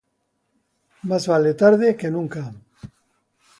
Más vale tarde que nunca.